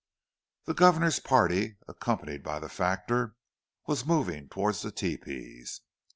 The governor's party, accompanied by the factor, was moving towards the tepees.